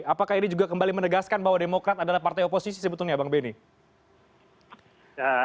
apakah ini juga kembali menegaskan bahwa demokrat adalah partai oposisi sebetulnya bang benny